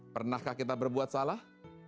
pernahkah kita berbuat salah